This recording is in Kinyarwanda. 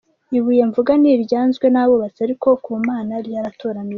Ibuye mvuga ni iryanzwe n'abubatsi ariko ku Mana ryaratoranyijwe".